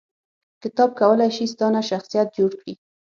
کتاب کولای شي ستا نه شخصیت جوړ کړي